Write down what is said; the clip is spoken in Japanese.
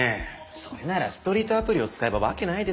それならストリートアプリを使えばわけないですよ。